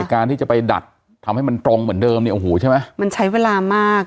การที่จะไปดัดทำให้มันตรงเหมือนเดิมเนี่ยโอ้โหใช่ไหมมันใช้เวลามาก